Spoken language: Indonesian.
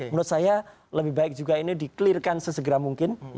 menurut saya lebih baik juga ini di clear kan sesegera mungkin